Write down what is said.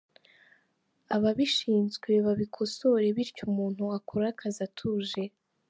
Ababishinzwe babikosore bityo umuntu akore akazi atuje.